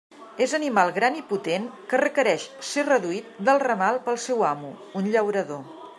És animal gran i potent que requereix ser reduït del ramal pel seu amo, un llaurador.